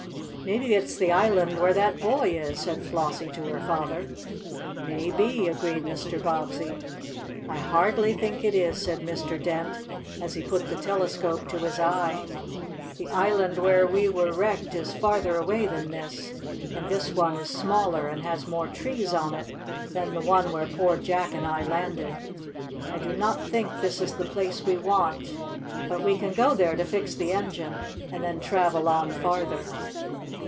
"Maybe it's the island where that boy is," said Flossie to her father. "Maybe," agreed Mr. Bobbsey. "I hardly think it is," said Mr. Dent, as he put the telescope to his eye. "The island where we were wrecked is farther away than this, and this one is smaller and has more trees on it than the one where poor Jack and I landed. I do not think this is the place we want, but we can go there to fix the engine, and then travel on farther."